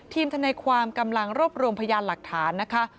ทนายความกำลังรวบรวมพยานหลักฐานนะคะ